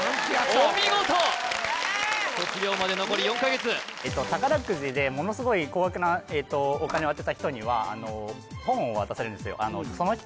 お見事卒業まで残り４カ月宝くじでものすごい高額なお金を当てた人には本を渡されるんですよ